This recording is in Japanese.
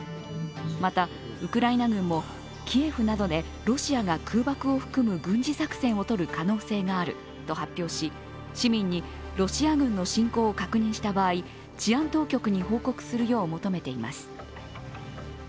また、ウクライナ軍もキエフなどでロシアが空爆を含む軍事作戦をとる可能性があると発表し、市民にロシア軍の侵攻を確認した場合、治安当局に報告するよう求めています。